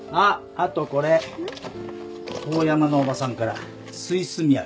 あとこれ遠山のおばさんからスイス土産。